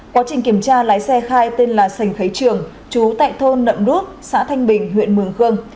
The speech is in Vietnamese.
quá trình kiểm tra lái xe khai tên là sành khấy trường chú tại thôn nậm đúc xã thanh bình huyện mường khương